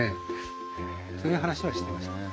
そういう話はしてました。